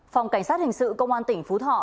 phòng cảnh sát hình sự công an tỉnh phú thọ